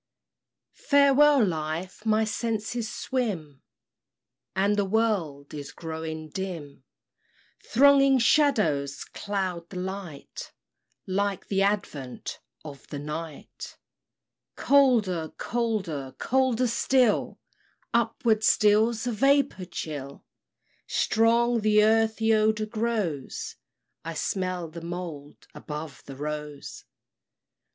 ] Farewell, Life! My senses swim, And the world is growing dim; Thronging shadows cloud the light, Like the advent of the night, Colder, colder, colder still, Upward steals a vapor chill Strong the earthy odor grows I smell the mould above the rose!